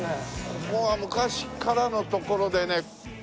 ここは昔からの所でね。